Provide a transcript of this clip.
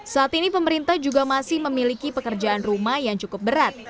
saat ini pemerintah juga masih memiliki pekerjaan rumah yang cukup berat